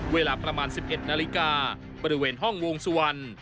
เวลาประมาณ๑๑นาฬิกาบริเวณห้องวงสุวรรณ